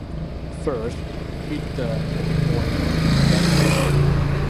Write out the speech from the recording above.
First, beat the opioid epidemic.